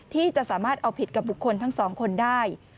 ที่จะสามารถเอาผิดกับบุคคลทั้งสองคนได้